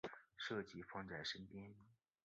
设计放在身边